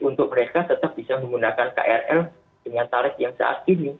untuk mereka tetap bisa menggunakan krl dengan tarif yang saat ini